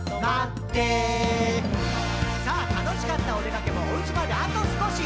「さぁ楽しかったおでかけもおうちまであと少し」